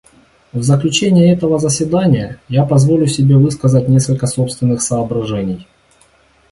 В заключение этого заседания я позволю себе высказать несколько собственных соображений.